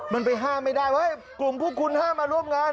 มันไปห้ามไม่ได้ว่ากลุ่มพวกคุณห้ามมาร่วมงาน